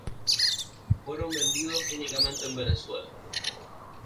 Fueron vendidos únicamente en Venezuela.